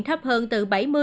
thấp hơn từ bảy mươi tám mươi